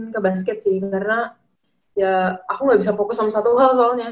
karena ya aku gak bisa fokus sama satu hal soalnya